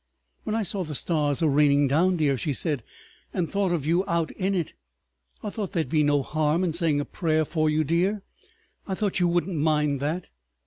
"When I saw the stars a raining down, dear," she said, "and thought of you out in it, I thought there'd be no harm in saying a prayer for you, dear? I thought you wouldn't mind that."